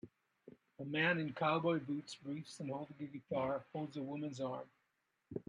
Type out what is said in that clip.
A man in cowboy boots, briefs and holding a guitar, holds a woman 's arm.